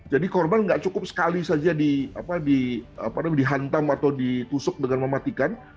jadi korban nggak cukup sekali saja dihantam atau ditusuk dengan mematikan